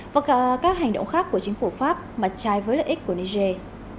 và các hành động khác của chính phủ pháp mặt trái với lợi ích của niger